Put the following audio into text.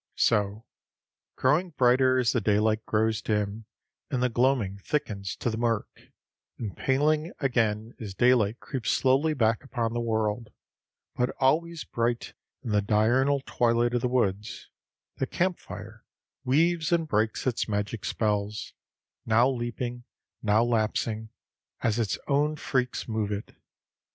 So, growing brighter as the daylight grows dim and the gloaming thickens to the mirk, and paling again as daylight creeps slowly back upon the world, but always bright in the diurnal twilight of the woods, the camp fire weaves and breaks its magic spells, now leaping, now lapsing, as its own freaks move it.